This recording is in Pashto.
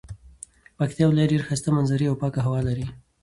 پکتيا ولايت ډيري ښايسته منظري او پاکه هوا لري